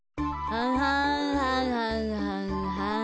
・ははんはんはんはん。